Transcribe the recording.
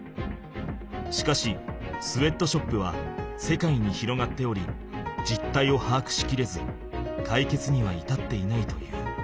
しかしスウェットショップは世界に広がっておりじったいをはあくしきれずかいけつにはいたっていないという。